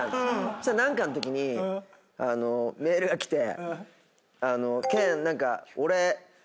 そしたら何かのときにメールが来て。